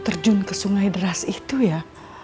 terjun ke sungai deras itu ya